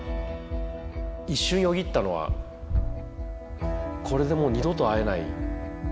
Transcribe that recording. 一瞬よぎったのは、これでもう二度と会えない。